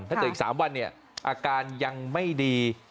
ถ้าเกิดอีก๓วันเนี่ยอาการยังไม่ดี